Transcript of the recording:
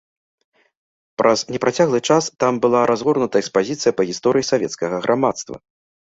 Праз непрацяглы час там была разгорнута экспазіцыя па гісторыі савецкага грамадства.